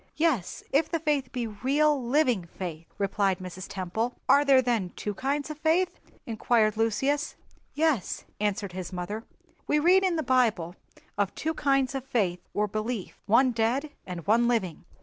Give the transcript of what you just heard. "Yes, if the faith be real, living faith," replied Mrs. Temple. "Are there then two kinds of faith?" inquired Lucius. "Yes," answered his mother; "we read in the Bible of two kinds of faith or belief—one dead and one living."